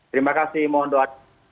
terima kasih mohon doa